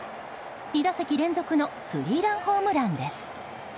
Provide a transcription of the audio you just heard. ２打席連続のスリーランホームランです。